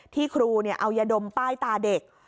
ครูเอายาดมป้ายตาเด็ก